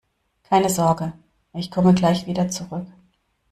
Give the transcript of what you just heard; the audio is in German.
Keine Sorge, ich komme gleich wieder zurück!